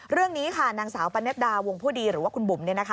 เรื่องนี้ค่ะนางสาวปนัดดาวงผู้ดีหรือว่าคุณบุ๋ม